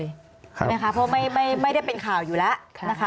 ใช่ไหมคะเพราะไม่ได้เป็นข่าวอยู่แล้วนะคะ